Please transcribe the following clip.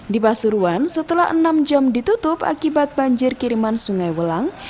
di pasuruan setelah enam jam ditutup akibat banjir kiriman sungai welang